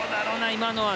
今のは。